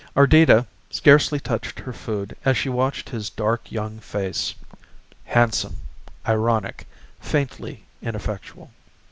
Ardita scarcely touched her food as she watched his dark young face handsome, ironic faintly ineffectual.